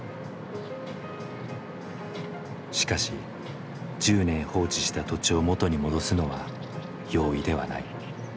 しかし１０年放置した土地を元に戻すのは容易ではない。